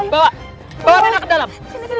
bawa bawa rena ke dalam